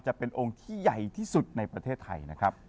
จะเป็นองค์ที่ใหญ่ที่สุดในประเทศไทยนะครับ